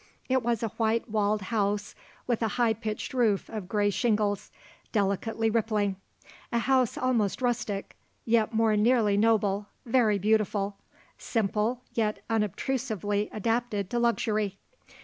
It was a white walled house with a high pitched roof of grey shingles, delicately rippling; a house almost rustic, yet more nearly noble, very beautiful; simple, yet unobtrusively adapted to luxury.